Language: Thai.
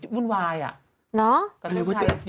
เป็นการกระตุ้นการไหลเวียนของเลือด